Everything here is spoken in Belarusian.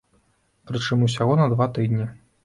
Прычым усяго на два тыдні.